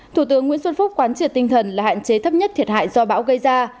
thủ tướng nguyễn xuân phúc quán triệt tinh thần là hạn chế thấp nhất thiệt hại do bão gây ra